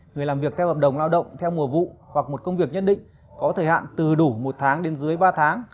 người làm việc theo hợp đồng lao động theo mùa vụ hoặc một công việc nhất định có thời hạn từ đủ một tháng đến dưới ba tháng